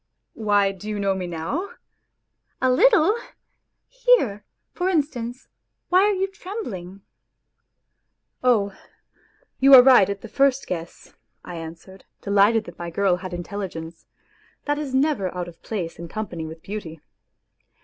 " Why, do you know me now ?"" A little ! Here, for instance, why are you trembling ?"" Oh, you are right at the first guess !" I answered, delighted WHITE NIGHTS that my girl had intelligence ; that is never out of place in com pany with beauty.